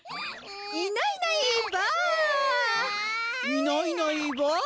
いないいないばあ！